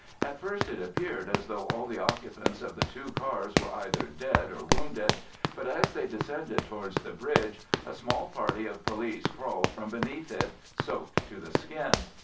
At first it appeared as though all the occupants of the two cars were either dead or wounded, but as they descended towards the bridge a small party of police crawled from underneath it, soaked to the skin.